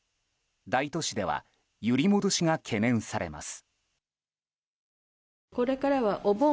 大都市では揺り戻しが懸念されます。